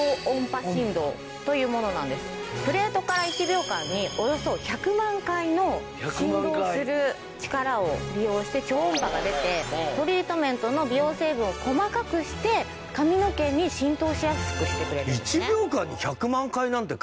プレートから１秒間におよそ１００万回の振動する力を利用して超音波が出てトリートメントの美容成分を細かくして髪の毛に浸透しやすくしてくれるんですね。